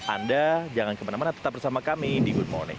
anda jangan kemana mana tetap bersama kami di good morning